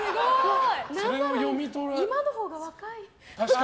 何なら今のほうが若い。